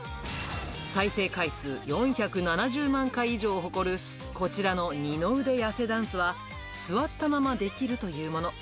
再生回数４７０万回以上を誇る、こちらの二の腕痩せダンスは、座ったままできるというもの。